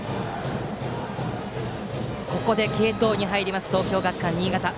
ここで継投に入ります東京学館新潟。